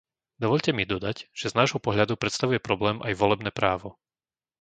Dovoľte mi dodať, že z nášho pohľadu predstavuje problém aj volebné právo.